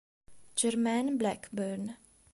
Jermaine Blackburn